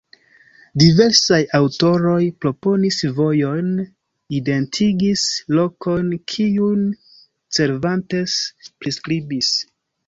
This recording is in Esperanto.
Diversaj aŭtoroj proponis vojojn, identigis lokojn kiujn Cervantes priskribis.